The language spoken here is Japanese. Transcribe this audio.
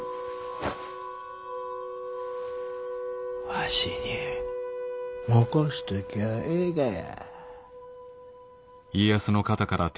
わしに任せときゃええがや。